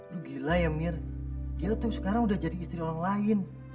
lu gila ya mir gia tuh sekarang udah jadi istri orang lain